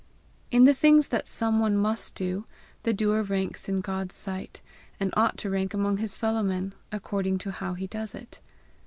In the things that some one must do, the doer ranks in God's sight, and ought to rank among his fellow men, according to how he does it.